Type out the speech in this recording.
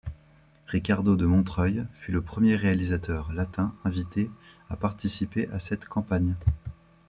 Ricardo de Montreuil fut le premier réalisateur latin invité à participer à cette campagne.